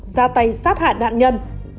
ra tay sát hại đạn nhân